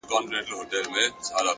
هـغــه اوس سيــمــي د تـــــه ځـــــي،